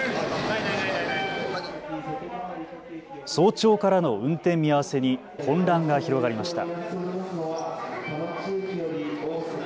早朝からの運転見合わせに混乱が広がりました。